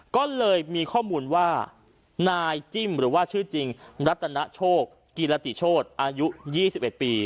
ก็เลยมีข้อมูลว่านายจิ้มหรือว่าชื่อจริงรัตนโชคกิรติโชธอายุ๒๑ปี